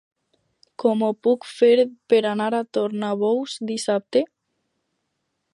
Com ho puc fer per anar a Tornabous dissabte?